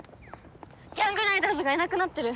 ギャングライダーズがいなくなってる。